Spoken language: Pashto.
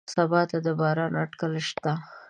سبا ته د باران اټکل شته